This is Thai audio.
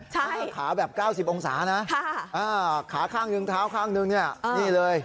ใช่ขาแบบ๙๐องศานะขาข้างหนึ่งเท้าข้างนึงเนี่ยนี่เลย